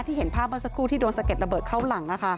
เห็นภาพเมื่อสักครู่ที่โดนสะเด็ดระเบิดเข้าหลัง